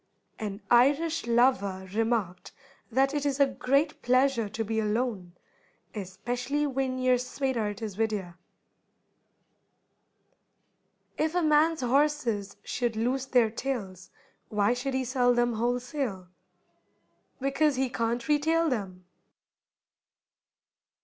An Irish lover remarked that it is a great pleasure to be alone, "especially whin yer swateheart is wid ye." If a man's horses should lose their tails, why should he sell them wholesale? Because he can't retail them.